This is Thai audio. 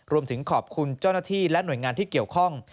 รวมถึงขอบคุณเจ้าหน้าที่และหน่วยงานที่เกี่ยวข้อง